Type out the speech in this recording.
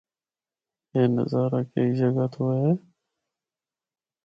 اے نظارہ کئ جگہ تو ہے۔